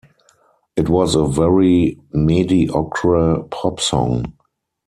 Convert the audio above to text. It was a very mediocre pop song.